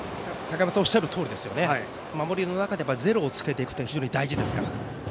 おっしゃるとおりで守りの中で０を作っていくことは非常に大事ですから。